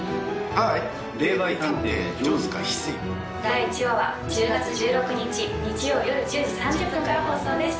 第１話は１０月１６日日曜夜１０時３０分から放送です。